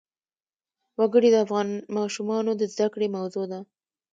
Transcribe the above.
وګړي د افغان ماشومانو د زده کړې موضوع ده.